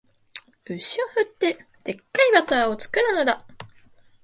牛を振って、デッカいバターを作るのだ